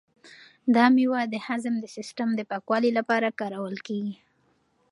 دا مېوه د هضم د سیسټم د پاکوالي لپاره کارول کیږي.